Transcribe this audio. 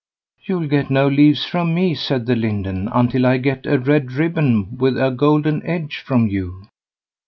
"You'll get no leaves from me", said the Linden, "until I get a red ribbon with a golden edge from you."